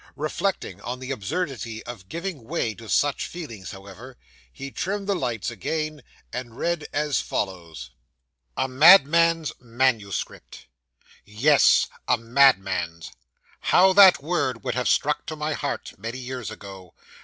Reflecting on the absurdity of giving way to such feelings, however, he trimmed the light again, and read as follows: A MADMAN'S MANUSCRIPT 'Yes! a madman's! How that word would have struck to my heart, many years ago!